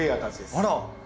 あら！